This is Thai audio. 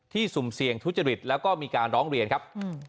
สุ่มเสี่ยงทุจริตแล้วก็มีการร้องเรียนครับ